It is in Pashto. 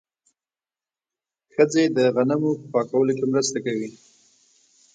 ښځې د غنمو په پاکولو کې مرسته کوي.